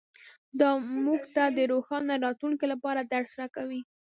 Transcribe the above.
دا موږ ته د روښانه راتلونکي لپاره درس راکوي